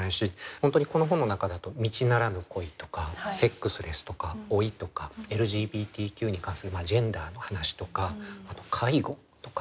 本当にこの本の中だと道ならぬ恋とかセックスレスとか老いとかＬＧＢＴＱに関するジェンダーの話とかあと介護とかね。